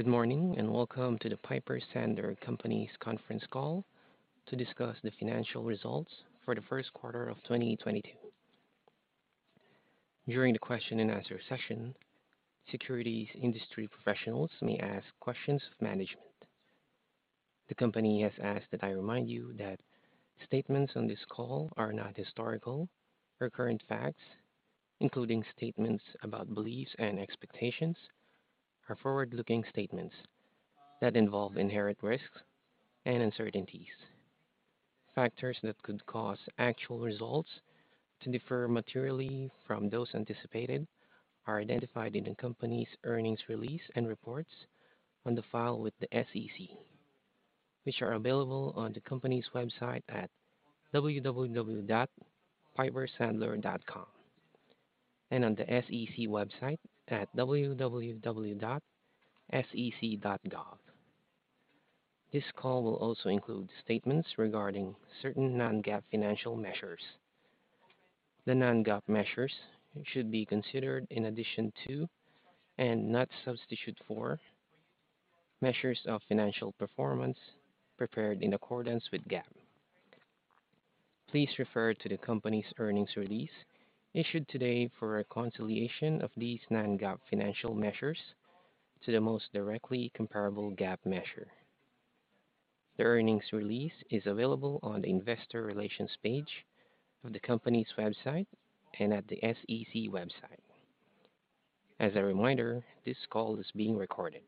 Good morning, and welcome to the Piper Sandler Companies conference call to discuss the financial results for the first quarter of 2022. During the question and answer session, securities industry professionals may ask questions of management. The company has asked that I remind you that statements on this call are not historical or current facts, including statements about beliefs and expectations, are forward-looking statements that involve inherent risks and uncertainties. Factors that could cause actual results to differ materially from those anticipated are identified in the company's earnings release and reports on file with the SEC, which are available on the company's website at www.pipersandler.com and on the SEC website at www.sec.gov. This call will also include statements regarding certain non-GAAP financial measures. The non-GAAP measures should be considered in addition to and not as a substitute for measures of financial performance prepared in accordance with GAAP. Please refer to the company's earnings release issued today for a reconciliation of these non-GAAP financial measures to the most directly comparable GAAP measure. The earnings release is available on the investor relations page of the company's website and at the SEC website. As a reminder, this call is being recorded.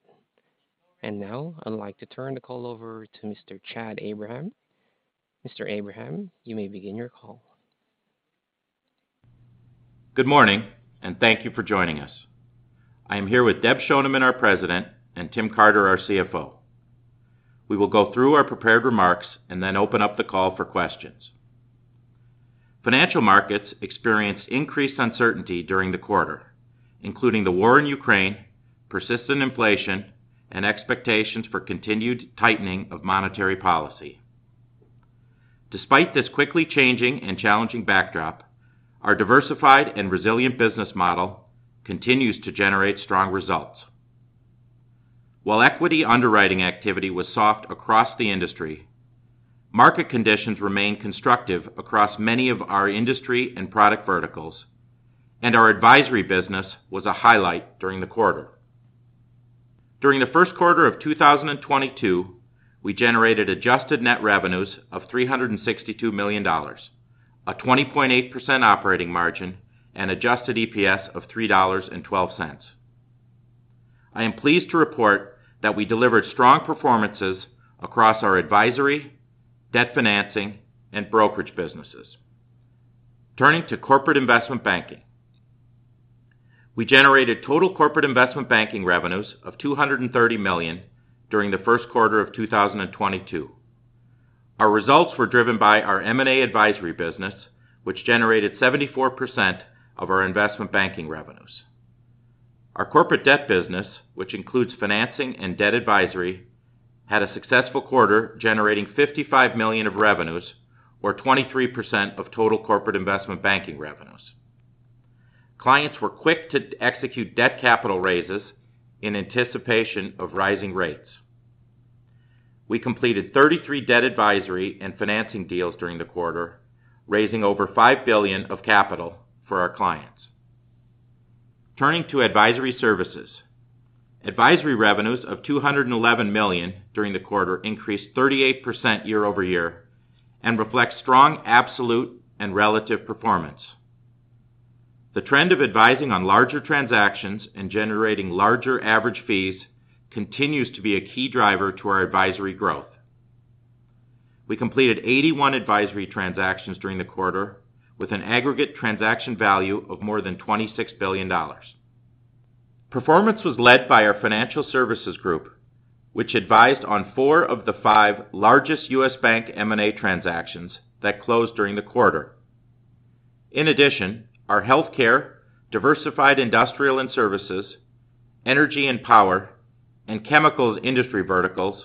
Now I'd like to turn the call over to Mr. Chad Abraham. Mr. Abraham, you may begin your call. Good morning, and thank you for joining us. I am here with Deb Schoneman, our President, and Tim Carter, our CFO. We will go through our prepared remarks and then open up the call for questions. Financial markets experienced increased uncertainty during the quarter, including the war in Ukraine, persistent inflation, and expectations for continued tightening of monetary policy. Despite this quickly changing and challenging backdrop, our diversified and resilient business model continues to generate strong results. While equity underwriting activity was soft across the industry, market conditions remain constructive across many of our industry and product verticals, and our advisory business was a highlight during the quarter. During the first quarter of 2022, we generated adjusted net revenues of $362 million, a 20.8% operating margin and adjusted EPS of $3.12. I am pleased to report that we delivered strong performances across our advisory, debt financing and brokerage businesses. Turning to corporate Investment Banking. We generated total corporate Investment Banking revenues of $230 million during the first quarter of 2022. Our results were driven by our M&A advisory business, which generated 74% of our Investment Banking revenues. Our corporate debt business, which includes financing and debt advisory, had a successful quarter, generating $55 million of revenues, or 23% of total corporate Investment Banking revenues. Clients were quick to execute debt capital raises in anticipation of rising rates. We completed 33 debt advisory and financing deals during the quarter, raising over $5 billion of capital for our clients. Turning to advisory services. Advisory revenues of $211 million during the quarter increased 38% year-over-year and reflects strong, absolute and relative performance. The trend of advising on larger transactions and generating larger average fees continues to be a key driver to our advisory growth. We completed 81 advisory transactions during the quarter, with an aggregate transaction value of more than $26 billion. Performance was led by our financial services group, which advised on four of the five largest U.S. bank M&A transactions that closed during the quarter. In addition, our healthcare, diversified industrial and services, energy and power, and chemicals industry verticals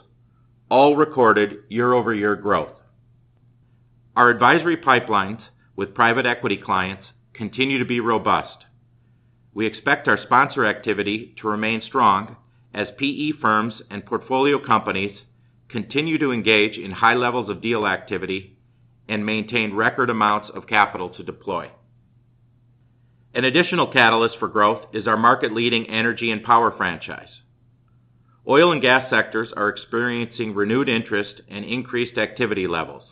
all recorded year-over-year growth. Our advisory pipelines with private equity clients continue to be robust. We expect our sponsor activity to remain strong as PE firms and portfolio companies continue to engage in high levels of deal activity and maintain record amounts of capital to deploy. An additional catalyst for growth is our market leading energy and power franchise. Oil and gas sectors are experiencing renewed interest and increased activity levels.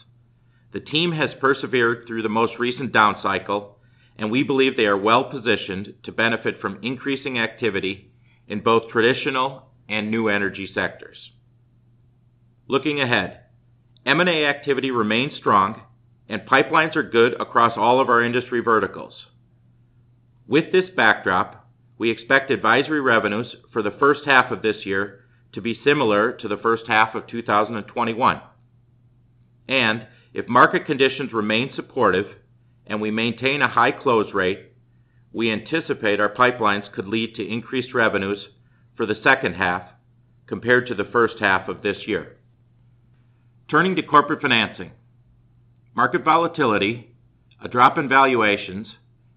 The team has persevered through the most recent down cycle, and we believe they are well positioned to benefit from increasing activity in both traditional and new energy sectors. Looking ahead, M&A activity remains strong and pipelines are good across all of our industry verticals. With this backdrop, we expect advisory revenues for the first half of this year to be similar to the first half of 2021. If market conditions remain supportive and we maintain a high close rate, we anticipate our pipelines could lead to increased revenues for the second half compared to the first half of this year. Turning to corporate financing. Market volatility, a drop in valuations,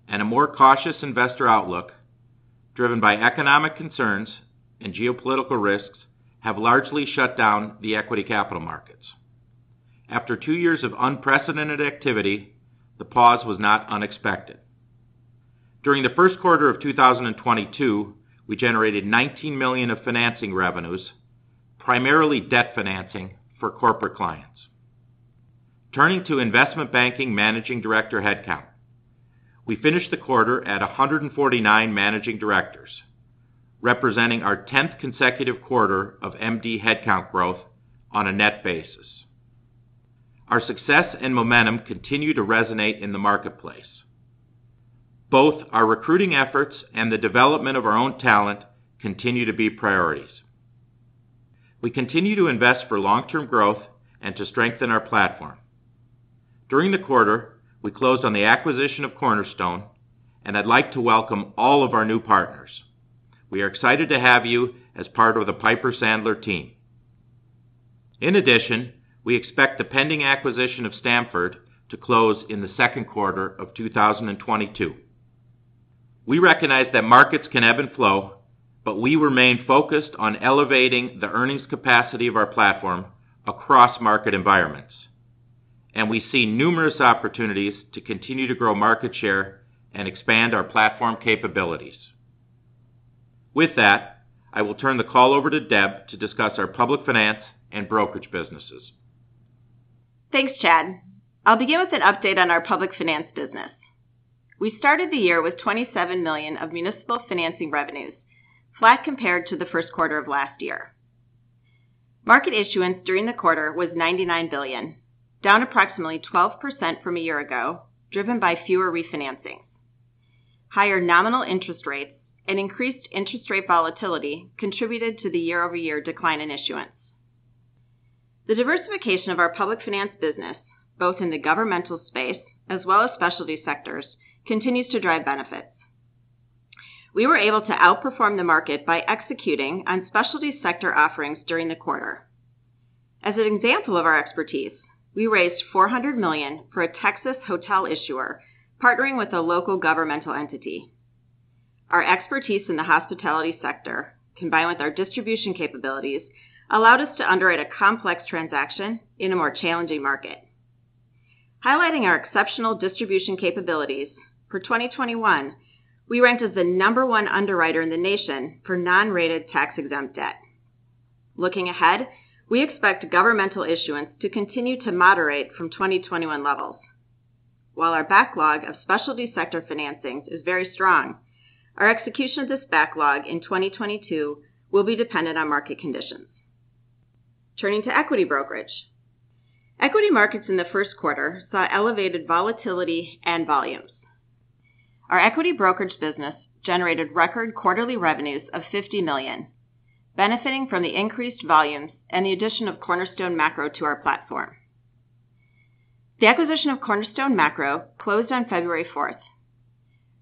and a more cautious investor outlook driven by economic concerns and geopolitical risks have largely shut down the equity capital markets. After two years of unprecedented activity, the pause was not unexpected. During the first quarter of 2022, we generated $19 million of financing revenues, primarily debt financing for corporate clients. Turning to Investment Banking managing director headcount. We finished the quarter at 149 managing directors, representing our 10th consecutive quarter of MD headcount growth on a net basis. Our success and momentum continue to resonate in the marketplace. Both our recruiting efforts and the development of our own talent continue to be priorities. We continue to invest for long-term growth and to strengthen our platform. During the quarter, we closed on the acquisition of Cornerstone, and I'd like to welcome all of our new partners. We are excited to have you as part of the Piper Sandler team. In addition, we expect the pending acquisition of Stamford to close in the second quarter of 2022. We recognize that markets can ebb and flow, but we remain focused on elevating the earnings capacity of our platform across market environments. We see numerous opportunities to continue to grow market share and expand our platform capabilities. With that, I will turn the call over to Deb to discuss our Public Finance and brokerage businesses. Thanks, Chad. I'll begin with an update on our Public Finance business. We started the year with $27 million of municipal financing revenues, flat compared to the first quarter of last year. Market issuance during the quarter was $99 billion, down approximately 12% from a year ago, driven by fewer refinancings. Higher nominal interest rates and increased interest rate volatility contributed to the year-over-year decline in issuance. The diversification of our Public Finance business, both in the governmental space as well as specialty sectors, continues to drive benefits. We were able to outperform the market by executing on specialty sector offerings during the quarter. As an example of our expertise, we raised $400 million for a Texas hotel issuer partnering with a local governmental entity. Our expertise in the hospitality sector, combined with our distribution capabilities, allowed us to underwrite a complex transaction in a more challenging market. Highlighting our exceptional distribution capabilities, for 2021, we ranked as the number one underwriter in the nation for non-rated tax-exempt debt. Looking ahead, we expect governmental issuance to continue to moderate from 2021 levels. While our backlog of specialty sector financings is very strong, our execution of this backlog in 2022 will be dependent on market conditions. Turning to equity brokerage. Equity markets in the first quarter saw elevated volatility and volumes. Our equity brokerage business generated record quarterly revenues of $50 million, benefiting from the increased volumes and the addition of Cornerstone Macro to our platform. The acquisition of Cornerstone Macro closed on February 4th.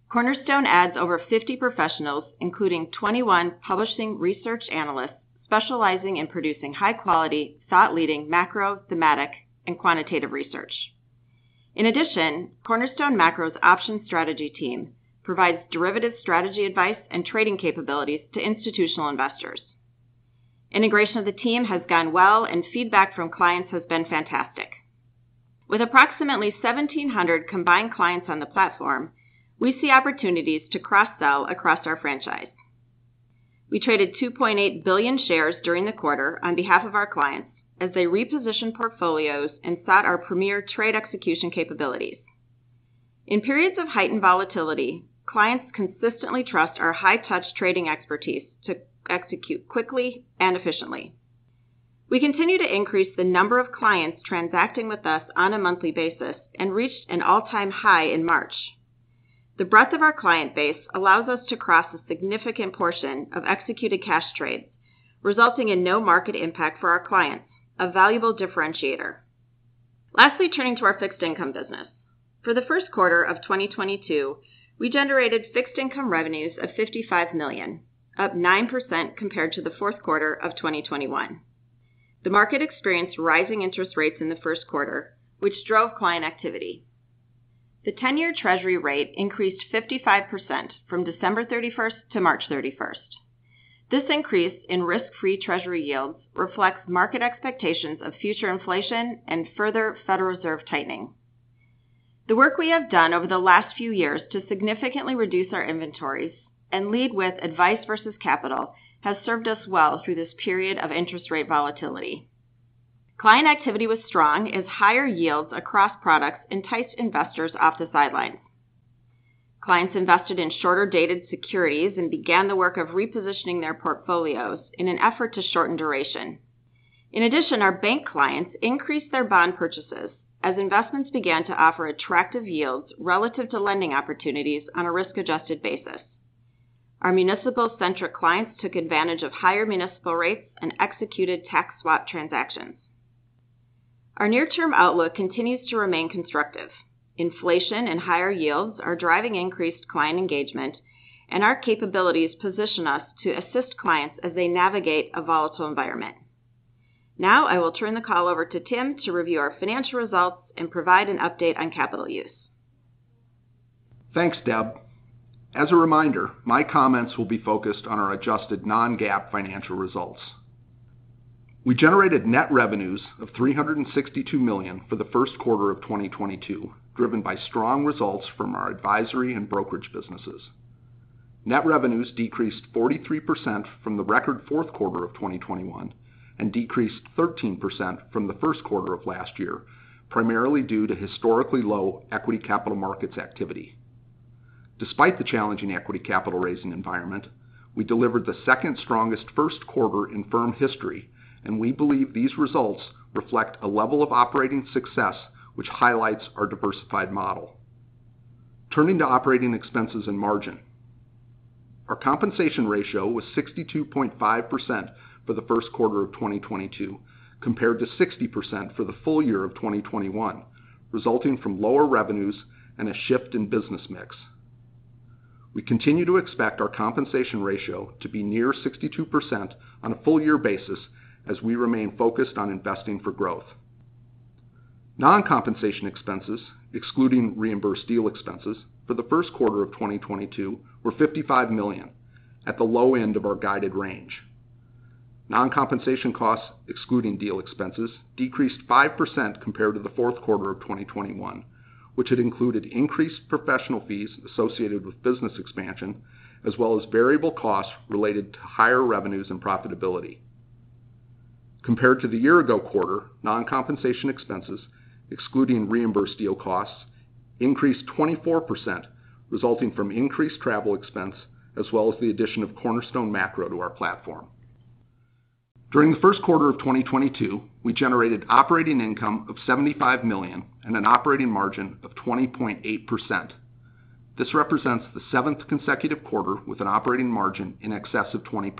Cornerstone adds over 50 professionals, including 21 publishing research analysts specializing in producing high-quality, thought-leading macro, thematic, and quantitative research. In addition, Cornerstone Macro's options strategy team provides derivative strategy advice and trading capabilities to institutional investors. Integration of the team has gone well, and feedback from clients has been fantastic. With approximately 1,700 combined clients on the platform, we see opportunities to cross-sell across our franchise. We traded 2.8 billion shares during the quarter on behalf of our clients as they repositioned portfolios and sought our premier trade execution capabilities. In periods of heightened volatility, clients consistently trust our high-touch trading expertise to execute quickly and efficiently. We continue to increase the number of clients transacting with us on a monthly basis and reached an all-time high in March. The breadth of our client base allows us to cross a significant portion of executed cash trades, resulting in no market impact for our clients, a valuable differentiator. Lastly, turning to our fixed income business. For the first quarter of 2022, we generated fixed income revenues of $55 million, up 9% compared to the fourth quarter of 2021. The market experienced rising interest rates in the first quarter, which drove client activity. The 10-year Treasury rate increased 55% from December 31st to March 31st. This increase in risk-free Treasury yields reflects market expectations of future inflation and further Federal Reserve tightening. The work we have done over the last few years to significantly reduce our inventories and lead with advice versus capital has served us well through this period of interest rate volatility. Client activity was strong as higher yields across products enticed investors off the sidelines. Clients invested in shorter-dated securities and began the work of repositioning their portfolios in an effort to shorten duration. In addition, our bank clients increased their bond purchases as investments began to offer attractive yields relative to lending opportunities on a risk-adjusted basis. Our municipal-centric clients took advantage of higher municipal rates and executed tax swap transactions. Our near-term outlook continues to remain constructive. Inflation and higher yields are driving increased client engagement, and our capabilities position us to assist clients as they navigate a volatile environment. Now I will turn the call over to Tim to review our financial results and provide an update on capital use. Thanks, Deb. As a reminder, my comments will be focused on our adjusted non-GAAP financial results. We generated net revenues of $362 million for the first quarter of 2022, driven by strong results from our advisory and brokerage businesses. Net revenues decreased 43% from the record fourth quarter of 2021, and decreased 13% from the first quarter of last year, primarily due to historically low equity capital markets activity. Despite the challenging equity capital raising environment, we delivered the second strongest first quarter in firm history, and we believe these results reflect a level of operating success which highlights our diversified model. Turning to operating expenses and margin. Our compensation ratio was 62.5% for the first quarter of 2022, compared to 60% for the full year of 2021, resulting from lower revenues and a shift in business mix. We continue to expect our compensation ratio to be near 62% on a full year basis as we remain focused on investing for growth. Non-compensation expenses, excluding reimbursed deal expenses, for the first quarter of 2022 were $55 million, at the low end of our guided range. Non-compensation costs, excluding deal expenses, decreased 5% compared to the fourth quarter of 2021, which had included increased professional fees associated with business expansion, as well as variable costs related to higher revenues and profitability. Compared to the year ago quarter, non-compensation expenses, excluding reimbursed deal costs, increased 24%, resulting from increased travel expense as well as the addition of Cornerstone Macro to our platform. During the first quarter of 2022, we generated operating income of $75 million and an operating margin of 20.8%. This represents the seventh consecutive quarter with an operating margin in excess of 20%.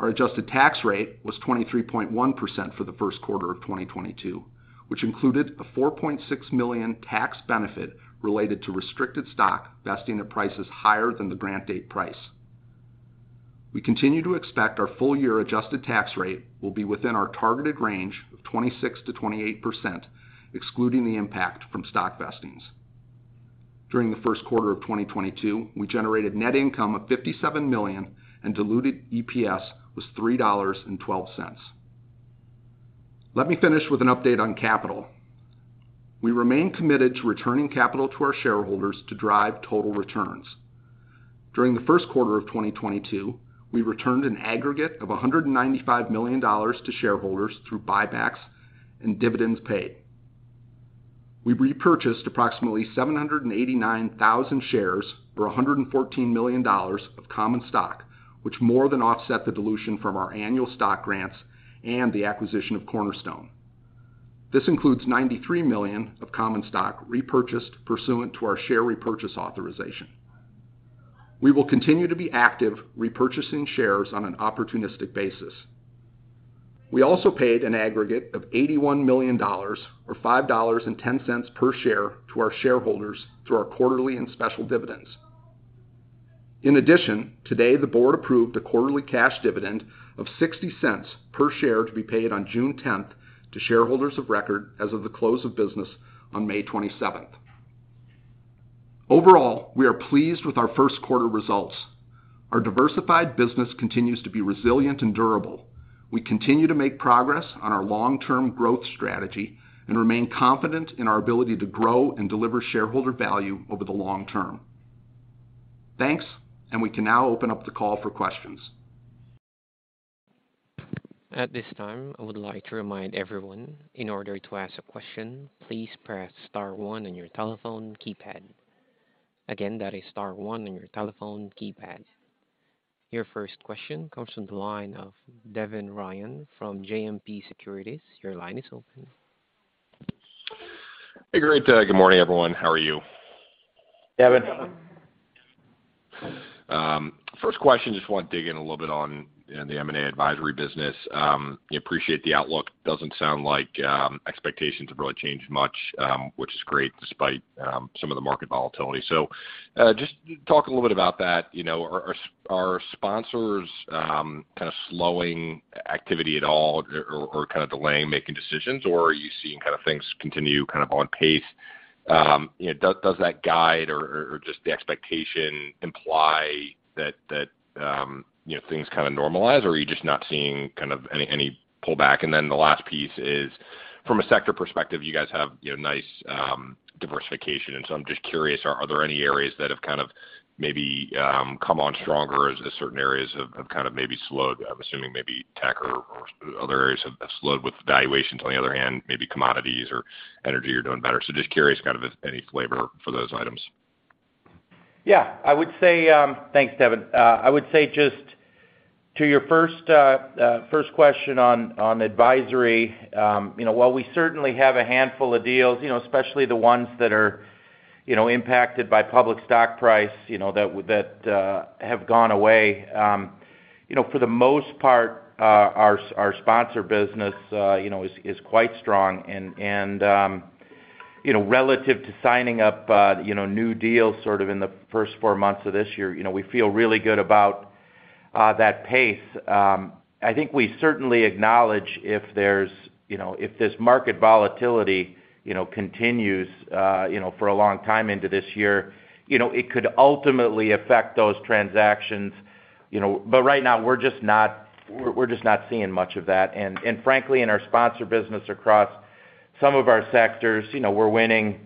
Our adjusted tax rate was 23.1% for the first quarter of 2022, which included a $4.6 million tax benefit related to restricted stock vesting at prices higher than the grant date price. We continue to expect our full year adjusted tax rate will be within our targeted range of 26%-28%, excluding the impact from stock vestings. During the first quarter of 2022, we generated net income of $57 million and diluted EPS was $3.12. Let me finish with an update on capital. We remain committed to returning capital to our shareholders to drive total returns. During the first quarter of 2022, we returned an aggregate of $195 million to shareholders through buybacks and dividends paid. We repurchased approximately 789,000 shares for $114 million of common stock, which more than offset the dilution from our annual stock grants and the acquisition of Cornerstone. This includes $93 million of common stock repurchased pursuant to our share repurchase authorization. We will continue to be active repurchasing shares on an opportunistic basis. We also paid an aggregate of $81 million or $5.10 per share to our shareholders through our quarterly and special dividends. In addition, today, the board approved a quarterly cash dividend of $0.60 per share to be paid on June 10th to shareholders of record as of the close of business on May 27th. Overall, we are pleased with our first quarter results. Our diversified business continues to be resilient and durable. We continue to make progress on our long-term growth strategy and remain confident in our ability to grow and deliver shareholder value over the long term. Thanks, and we can now open up the call for questions. At this time, I would like to remind everyone in order to ask a question, please press star one on your telephone keypad. Again, that is star one on your telephone keypad. Your first question comes from the line of Devin Ryan from JMP Securities. Your line is open. Hey, great. Good morning, everyone. How are you? Devin. First question, just want to dig in a little bit on the M&A advisory business. We appreciate the outlook. Doesn't sound like expectations have really changed much, which is great despite some of the market volatility. Just talk a little bit about that. You know, are sponsors kind of slowing activity at all or kind of delaying making decisions? Or are you seeing kind of things continue kind of on pace? You know, does that guide or just the expectation imply that you know things kind of normalize, or are you just not seeing kind of any pullback? Then the last piece is from a sector perspective, you guys have you know nice diversification. I'm just curious, are there any areas that have kind of maybe come on stronger as certain areas have kind of maybe slowed? I'm assuming maybe tech or other areas have slowed with valuations on the other hand, maybe commodities or energy are doing better. Just curious kind of any flavor for those items. Yeah, I would say, Thanks, Devin. I would say just to your first question on advisory, you know, while we certainly have a handful of deals, you know, especially the ones that are You know, impacted by public stock price, you know, that have gone away. You know, for the most part, our sponsor business, you know, is quite strong and, you know, relative to signing up, you know, new deals sort of in the first four months of this year, you know, we feel really good about that pace. I think we certainly acknowledge if this market volatility, you know, continues, you know, for a long time into this year, you know, it could ultimately affect those transactions, you know. Right now, we're just not seeing much of that. Frankly, in our sponsor business across some of our sectors, you know, we're winning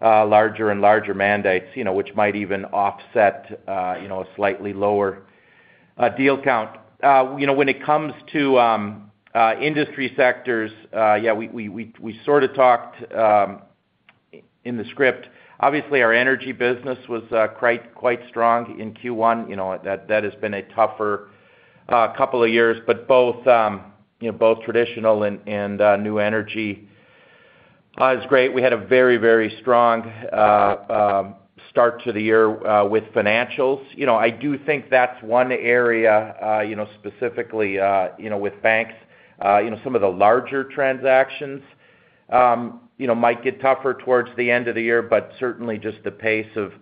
larger and larger mandates, you know, which might even offset a slightly lower deal count. You know, when it comes to industry sectors, yeah, we sort of talked in the script. Obviously, our energy business was quite strong in Q1. You know, that has been a tougher couple of years. But both traditional and new energy is great. We had a very strong start to the year with financials. You know, I do think that's one area, you know, specifically, you know, with banks, you know, some of the larger transactions, you know, might get tougher towards the end of the year, but certainly just the pace of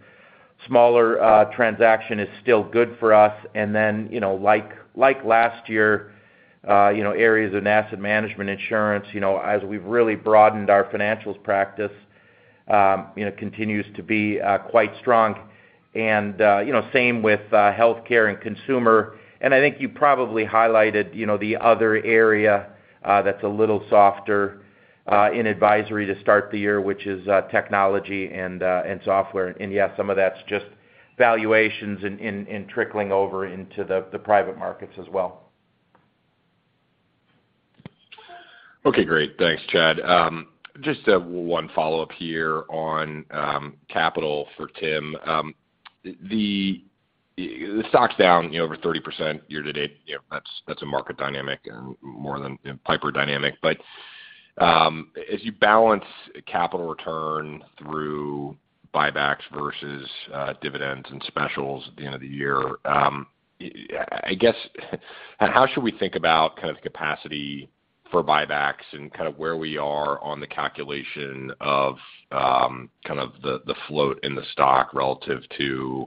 smaller, transaction is still good for us. Then, you know, like last year, you know, areas of asset management insurance, you know, as we've really broadened our financials practice, you know, continues to be, quite strong and, you know, same with, healthcare and consumer. I think you probably highlighted, you know, the other area, that's a little softer, in advisory to start the year, which is, technology and software. Yes, some of that's just valuations and trickling over into the private markets as well. Okay, great. Thanks, Chad. Just one follow-up here on capital for Tim. The stock's down, you know, over 30% year to date. You know, that's a market dynamic and more than Piper dynamic. But as you balance capital return through buybacks versus dividends and specials at the end of the year, I guess how should we think about kind of capacity for buybacks and kind of where we are on the calculation of kind of the float in the stock relative to you know,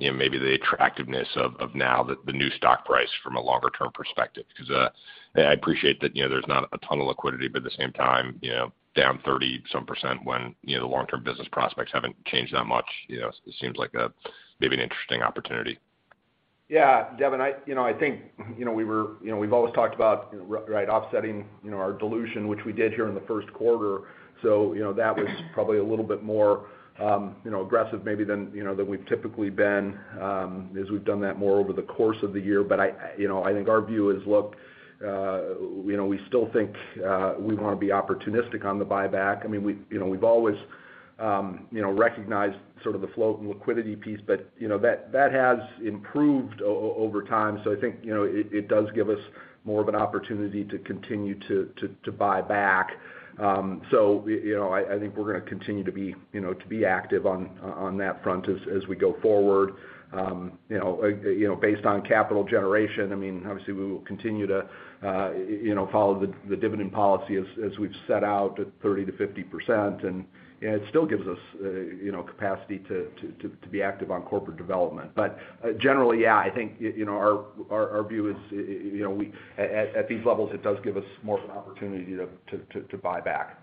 maybe the attractiveness of now the new stock price from a longer term perspective? Because I appreciate that, you know, there's not a ton of liquidity, but at the same time, you know, down 30-some% when you know, the long-term business prospects haven't changed that much. You know, it seems like, maybe an interesting opportunity. Yeah, Devin, you know, I think, you know, we've always talked about, you know, right, offsetting, you know, our dilution, which we did here in the first quarter. You know, that was probably a little bit more, you know, aggressive maybe than we've typically been, as we've done that more over the course of the year. You know, I think our view is, look, you know, we still think we wanna be opportunistic on the buyback. I mean, you know, we've always, you know, recognized sort of the float and liquidity piece, but, you know, that has improved over time. I think, you know, it does give us more of an opportunity to continue to buy back. I think we're gonna continue to be, you know, to be active on that front as we go forward. You know, based on capital generation, I mean, obviously, we will continue to, you know, follow the dividend policy as we've set out at 30%-50%. It still gives us, you know, capacity to be active on corporate development. Generally, I think our view is, you know, we at these levels, it does give us more of an opportunity to buy back.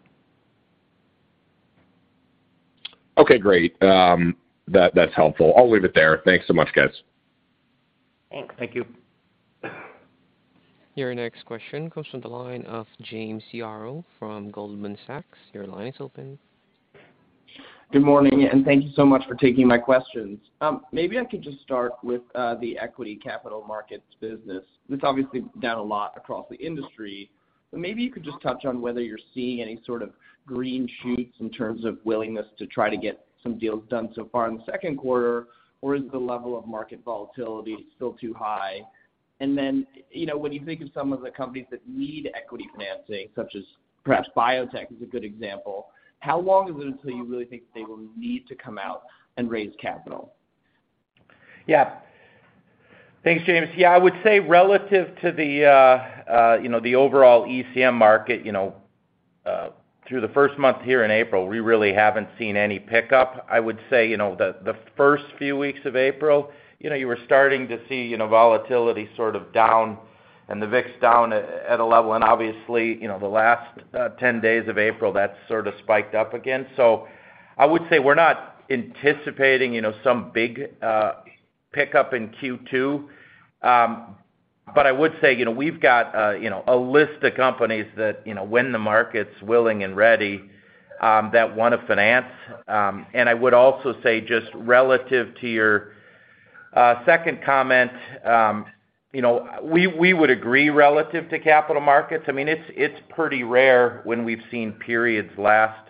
Okay, great. That's helpful. I'll leave it there. Thanks so much, guys. Thanks. Thank you. Your next question comes from the line of James Yaro from Goldman Sachs. Your line is open. Good morning, and thank you so much for taking my questions. Maybe I could just start with the equity capital markets business. It's obviously down a lot across the industry, but maybe you could just touch on whether you're seeing any sort of green shoots in terms of willingness to try to get some deals done so far in the second quarter, or is the level of market volatility still too high? You know, when you think of some of the companies that need equity financing, such as perhaps biotech is a good example, how long is it until you really think they will need to come out and raise capital? Yeah. Thanks, James. Yeah, I would say relative to the overall ECM market, you know, through the first month here in April, we really haven't seen any pickup. I would say, you know, the first few weeks of April, you know, you were starting to see, you know, volatility sort of down and the VIX down at a level. Obviously, you know, the last 10 days of April, that sort of spiked up again. I would say we're not anticipating, you know, some big pickup in Q2. I would say, you know, we've got, you know, a list of companies that, you know, when the market's willing and ready, that wanna finance. I would also say, just relative to your second comment, you know, we would agree relative to capital markets. I mean, it's pretty rare when we've seen periods last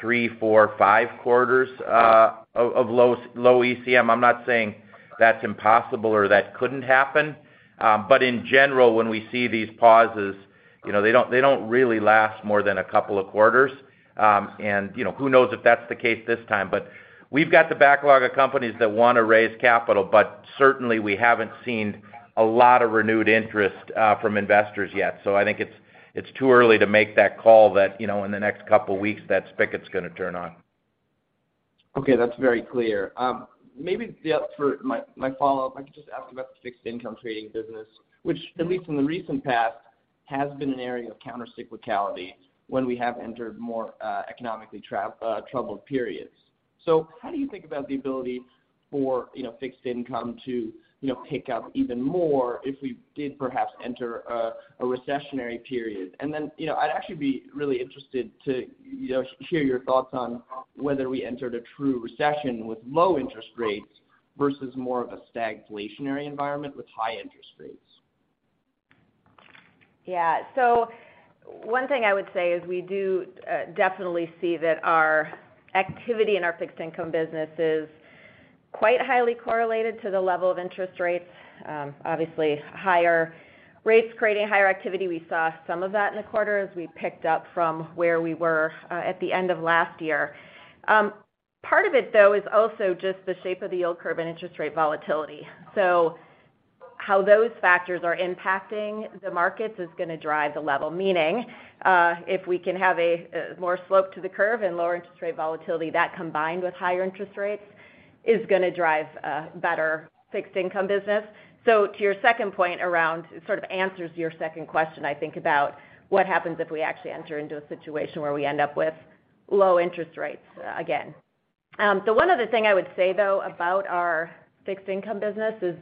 three, four, five quarters of low ECM. I'm not saying that's impossible or that couldn't happen. In general, when we see these pauses. You know, they don't really last more than a couple of quarters. You know, who knows if that's the case this time. We've got the backlog of companies that wanna raise capital, but certainly we haven't seen a lot of renewed interest from investors yet. I think it's too early to make that call that, you know, in the next couple weeks that spigot's gonna turn on. Okay, that's very clear. Maybe for my follow-up, I can just ask about the fixed income trading business, which at least in the recent past, has been an area of counter-cyclicality when we have entered more, economically troubled periods. How do you think about the ability for, you know, fixed income to, you know, pick up even more if we did perhaps enter a recessionary period? You know, I'd actually be really interested to, you know, hear your thoughts on whether we entered a true recession with low interest rates versus more of a stagflationary environment with high interest rates. Yeah. One thing I would say is we do definitely see that our activity in our fixed income business is quite highly correlated to the level of interest rates. Obviously higher rates creating higher activity. We saw some of that in the quarter as we picked up from where we were at the end of last year. Part of it though is also just the shape of the yield curve and interest rate volatility. How those factors are impacting the markets is gonna drive the level. Meaning, if we can have a more slope to the curve and lower interest rate volatility, that combined with higher interest rates, is gonna drive a better fixed income business. To your second point around, it sort of answers your second question, I think, about what happens if we actually enter into a situation where we end up with low interest rates, again. The one other thing I would say though, about our fixed income business is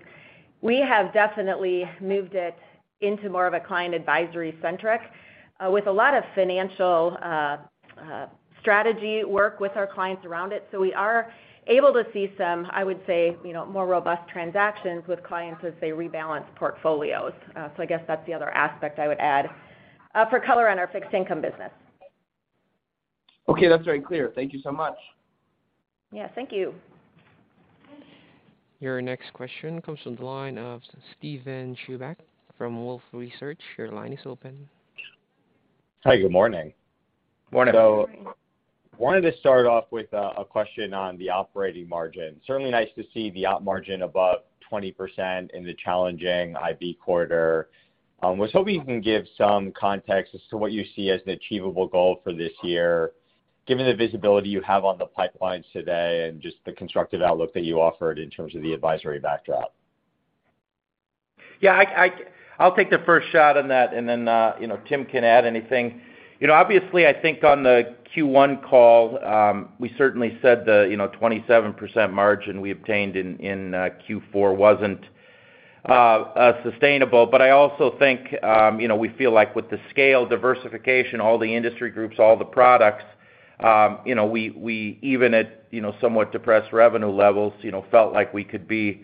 we have definitely moved it into more of a client advisory centric, with a lot of financial strategy work with our clients around it. We are able to see some, I would say, you know, more robust transactions with clients as they rebalance portfolios. I guess that's the other aspect I would add, for color on our fixed income business. Okay, that's very clear. Thank you so much. Yeah, thank you. Your next question comes from the line of Steven Chubak from Wolfe Research. Your line is open. Hi, good morning. Morning. Morning. Wanted to start off with a question on the operating margin. Certainly nice to see the operating margin above 20% in the challenging IB quarter. Was hoping you can give some context as to what you see as an achievable goal for this year, given the visibility you have on the pipelines today and just the constructive outlook that you offered in terms of the advisory backdrop. Yeah, I’ll take the first shot on that and then, you know, Tim can add anything. You know, obviously, I think on the Q1 call, we certainly said the, you know, 27% margin we obtained in Q4 wasn’t sustainable. But I also think, you know, we feel like with the scale diversification, all the industry groups, all the products, you know, we even at, you know, somewhat depressed revenue levels, you know, felt like we could be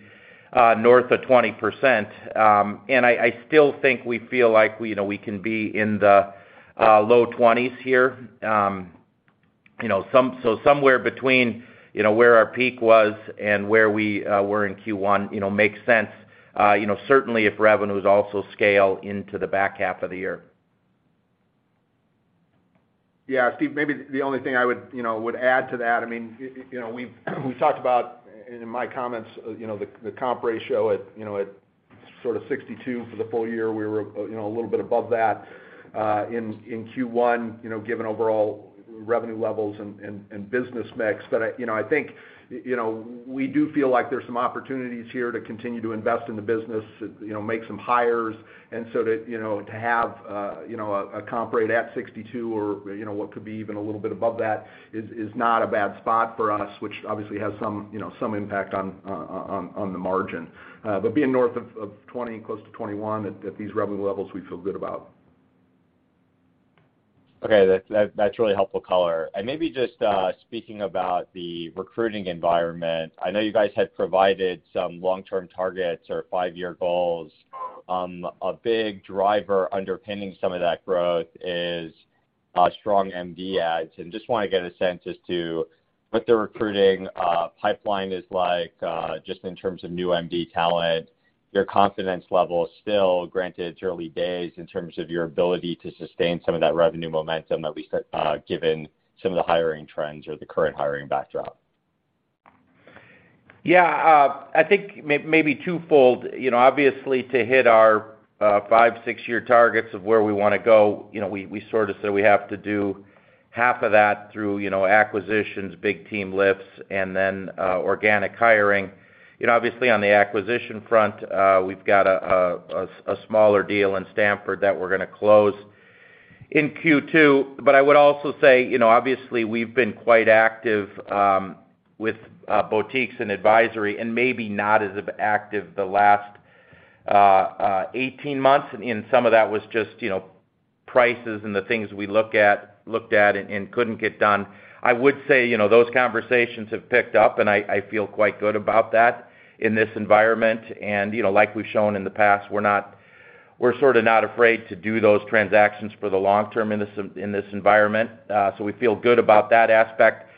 north of 20%. And I still think we feel like, you know, we can be in the low 20s here. You know, so somewhere between, you know, where our peak was and where we were in Q1, you know, makes sense. You know, certainly if revenues also scale into the back half of the year. Yeah, Steve, maybe the only thing I would, you know, add to that. I mean, you know, we've talked about in my comments, you know, the comp ratio at sort of 62 for the full year. We were, you know, a little bit above that in Q1, you know, given overall revenue levels and business mix. I think, you know, we do feel like there's some opportunities here to continue to invest in the business, you know, make some hires and so that, you know, to have a comp rate at 62 or, you know, what could be even a little bit above that is not a bad spot for us, which obviously has some impact on the margin. Being north of 20, close to 21 at these revenue levels, we feel good about. Okay. That's really helpful color. Maybe just speaking about the recruiting environment. I know you guys had provided some long-term targets or five-year goals. A big driver underpinning some of that growth is strong MD adds. Just wanna get a sense as to what the recruiting pipeline is like, just in terms of new MD talent, your confidence level still, granted it's early days, in terms of your ability to sustain some of that revenue momentum, at least, given some of the hiring trends or the current hiring backdrop. Yeah. I think maybe twofold. You know, obviously to hit our five, six-year targets of where we wanna go, you know, we sort of said we have to do half of that through, you know, acquisitions, big team lifts, and then organic hiring. You know, obviously on the acquisition front, we've got a smaller deal in Stamford that we're gonna close in Q2. I would also say, you know, obviously we've been quite active with boutiques and advisory, and maybe not as active the last 18 months, and some of that was just, you know, prices and the things we looked at and couldn't get done. I would say, you know, those conversations have picked up, and I feel quite good about that in this environment. You know, like we've shown in the past, we're sort of not afraid to do those transactions for the long term in this, in this environment. We feel good about that aspect.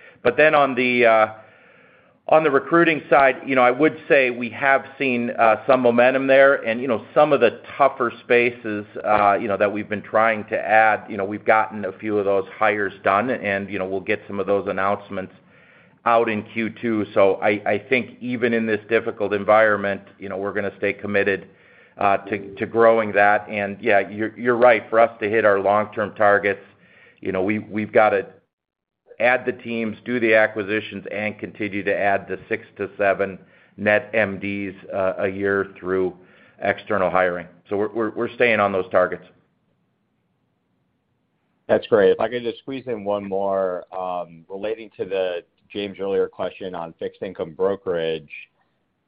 On the recruiting side, you know, I would say we have seen some momentum there. You know, some of the tougher spaces, you know, that we've been trying to add, you know, we've gotten a few of those hires done, and, you know, we'll get some of those announcements out in Q2. I think even in this difficult environment, you know, we're gonna stay committed to growing that. Yeah, you're right, for us to hit our long-term targets, you know, we've gotta add the teams, do the acquisitions, and continue to add the 6-7 net MDs a year through external hiring. We're staying on those targets. That's great. If I could just squeeze in one more, relating to the James' earlier question on fixed income brokerage.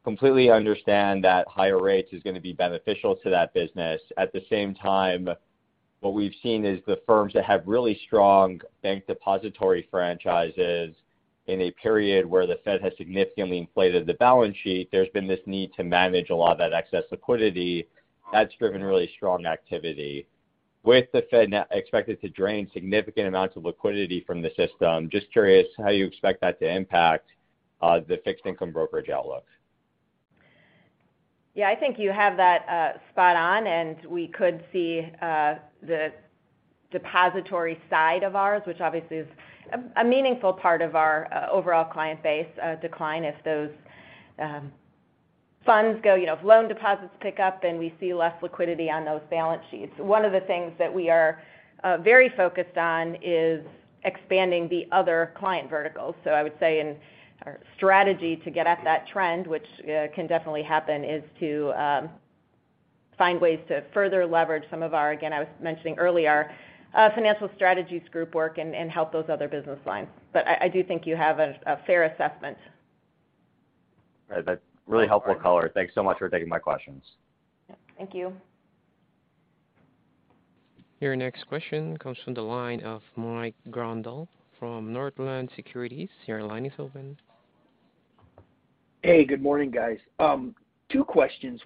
Completely understand that higher rates is gonna be beneficial to that business. At the same time, what we've seen is the firms that have really strong bank depository franchises in a period where the Fed has significantly inflated the balance sheet, there's been this need to manage a lot of that excess liquidity. That's driven really strong activity. With the Fed now expected to drain significant amounts of liquidity from the system, just curious how you expect that to impact, the fixed income brokerage outlook. Yeah, I think you have that spot on, and we could see the depository side of ours, which obviously is a meaningful part of our overall client base, decline if those funds go, you know, if loan deposits pick up, then we see less liquidity on those balance sheets. One of the things that we are very focused on is expanding the other client verticals. I would say in our strategy to get at that trend, which can definitely happen, is to find ways to further leverage some of our, again, I was mentioning earlier, Financial Strategies Group work and help those other business lines. I do think you have a fair assessment. Right. That's really helpful color. Thanks so much for taking my questions. Thank you. Your next question comes from the line of Mike Grondahl from Northland Securities. Your line is open. Hey, good morning, guys. Two questions.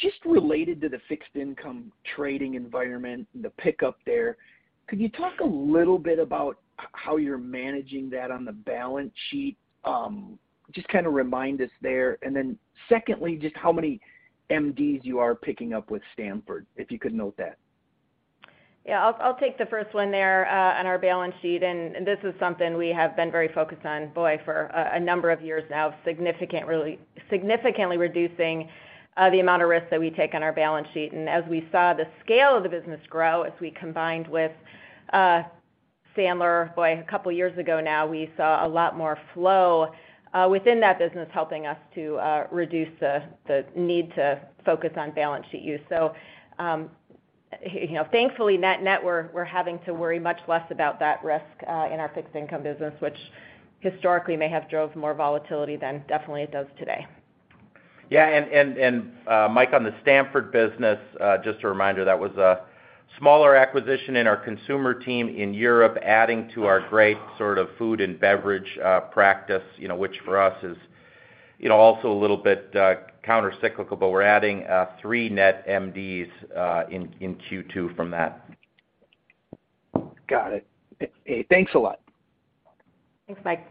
One, just related to the fixed income trading environment and the pickup there, could you talk a little bit about how you're managing that on the balance sheet? Just kinda remind us there. Then secondly, just how many MDs you are picking up with Stamford Partners, if you could note that. Yeah. I'll take the first one there on our balance sheet, and this is something we have been very focused on, boy, for a number of years now, significantly reducing the amount of risk that we take on our balance sheet. As we saw the scale of the business grow, as we combined with Sandler, boy, a couple years ago now, we saw a lot more flow within that business helping us to reduce the need to focus on balance sheet use. You know, thankfully, net-net, we're having to worry much less about that risk in our fixed income business, which historically may have drove more volatility than definitely it does today. Mike, on the Stamford business, just a reminder, that was a smaller acquisition in our consumer team in Europe, adding to our great sort of food and beverage practice, you know, which for us is, you know, also a little bit countercyclical. We're adding 3 net MDs in Q2 from that. Got it. Hey, thanks a lot. Thanks, Mike.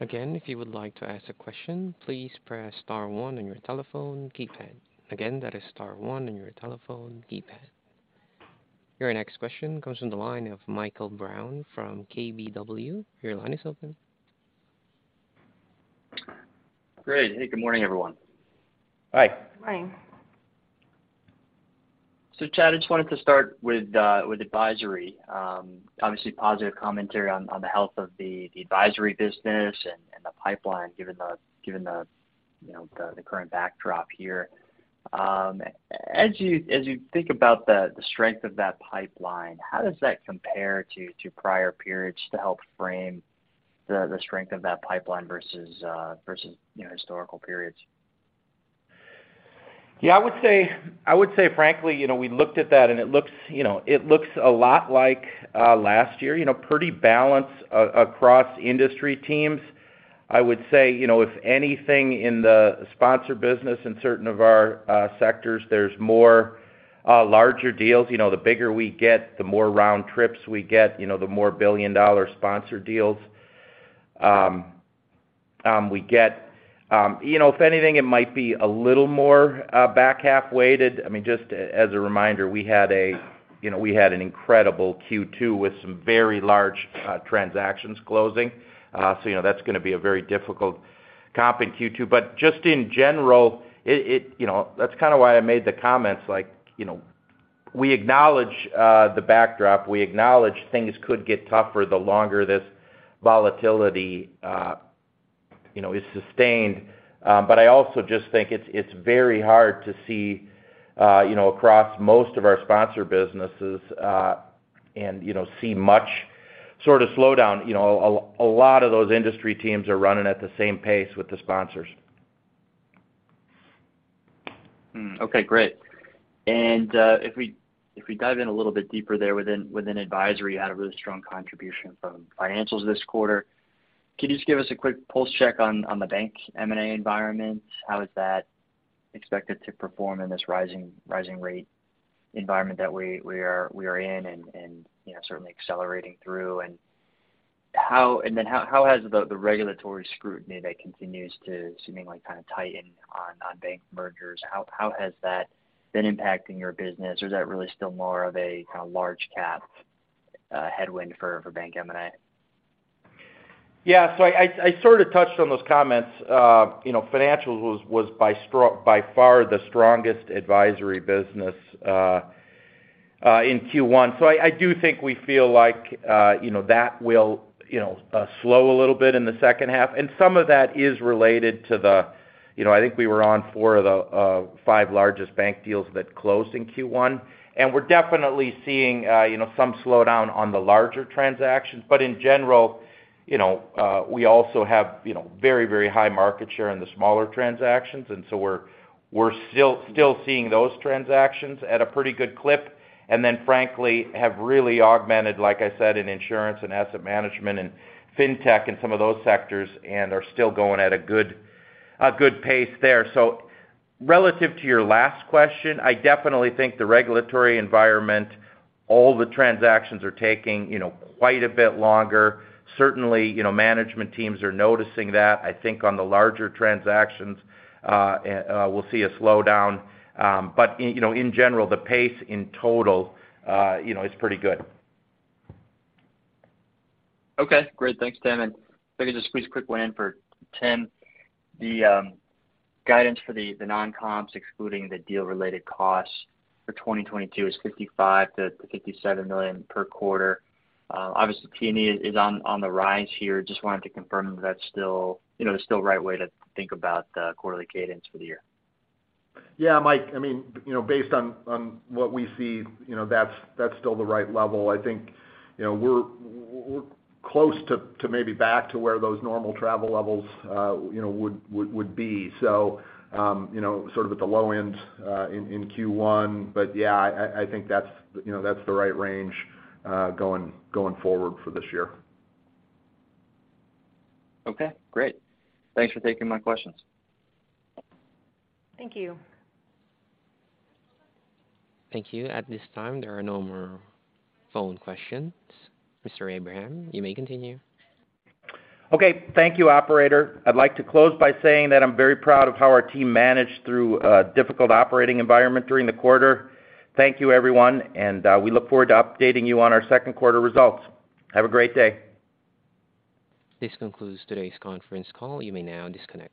Again, if you would like to ask a question, please press star one on your telephone keypad. Again, that is star one on your telephone keypad. Your next question comes from the line of Michael Brown from KBW. Your line is open. Great. Hey, good morning, everyone. Hi. Morning. Chad, I just wanted to start with advisory. Obviously positive commentary on the health of the advisory business and the pipeline, given the, you know, the current backdrop here. As you think about the strength of that pipeline, how does that compare to prior periods to help frame the strength of that pipeline versus, you know, historical periods? Yeah, I would say frankly, you know, we looked at that, and it looks, you know, it looks a lot like last year. You know, pretty balanced across industry teams. I would say, you know, if anything in the sponsor business in certain of our sectors, there's more larger deals. You know, the bigger we get, the more round trips we get, you know, the more billion-dollar sponsor deals we get. You know, if anything, it might be a little more back half weighted. I mean, just as a reminder, you know, we had an incredible Q2 with some very large transactions closing. You know, that's gonna be a very difficult comp in Q2. Just in general, you know, that's kinda why I made the comments like, you know, we acknowledge the backdrop. We acknowledge things could get tougher the longer this volatility is sustained. I also just think it's very hard to see across most of our sponsor businesses and see much sort of slowdown. A lot of those industry teams are running at the same pace with the sponsors. If we dive in a little bit deeper there within advisory, you had a really strong contribution from financials this quarter. Can you just give us a quick pulse check on the bank M&A environment? How is that expected to perform in this rising rate environment that we are in and, you know, certainly accelerating through? And how has the regulatory scrutiny that continues to seemingly kinda tighten on bank mergers impacted your business? Or is that really still more of a kinda large cap headwind for bank M&A? Yeah. I sorta touched on those comments. You know, financials was by far the strongest advisory business in Q1. I do think we feel like, you know, that will, you know, slow a little bit in the second half. Some of that is related to the, you know, I think we were on four of the five largest bank deals that closed in Q1. We're definitely seeing, you know, some slowdown on the larger transactions. In general, you know, we also have, you know, very high market share in the smaller transactions, and so we're still seeing those transactions at a pretty good clip. Frankly, have really augmented, like I said, in insurance and asset management and fintech and some of those sectors and are still going at a good pace there. Relative to your last question, I definitely think the regulatory environment, all the transactions are taking, you know, quite a bit longer. Certainly, you know, management teams are noticing that. I think on the larger transactions, we'll see a slowdown. But, you know, in general, the pace in total, you know, is pretty good. Okay. Great. Thanks, Tim. If I could just squeeze a quick one in for Tim. The guidance for the non-comps excluding the deal-related costs for 2022 is $55 million-$57 million per quarter. Obviously T&E is on the rise here. Just wanted to confirm if that's still, you know, the right way to think about the quarterly cadence for the year. Yeah. Mike, I mean, you know, based on what we see, you know, that's still the right level. I think, you know, we're close to maybe back to where those normal travel levels, you know, would be. You know, sort of at the low end, in Q1. Yeah, I think that's, you know, that's the right range, going forward for this year. Okay, great. Thanks for taking my questions. Thank you. Thank you. At this time, there are no more phone questions. Mr. Abraham, you may continue. Okay. Thank you, operator. I'd like to close by saying that I'm very proud of how our team managed through a difficult operating environment during the quarter. Thank you, everyone, and we look forward to updating you on our second quarter results. Have a great day. This concludes today's conference call. You may now disconnect.